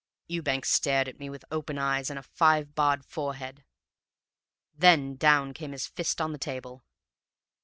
"Ewbank stared at me with open eyes and a five barred forehead, then down came his fist on the table.